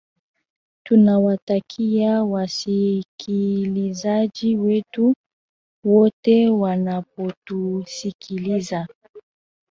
tunawatakia wasikilizaji wetu wote wanapotusikiliza